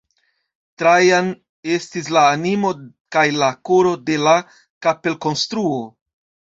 Trajan estis la animo kaj la koro de la kapelkonstruo.